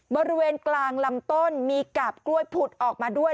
บริเวณกลางลำต้นมีกาบกล้วยผุดออกมาด้วย